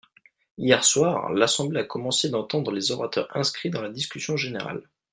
Hier soir, l’Assemblée a commencé d’entendre les orateurs inscrits dans la discussion générale.